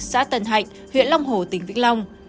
xã tân hạnh huyện long hồ tỉnh vĩnh long